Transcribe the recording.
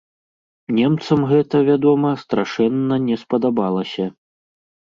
Немцам гэта, вядома, страшэнна не спадабалася.